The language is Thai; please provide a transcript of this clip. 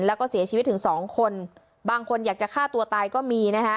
แล้วก็เสียชีวิตถึงสองคนบางคนอยากจะฆ่าตัวตายก็มีนะคะ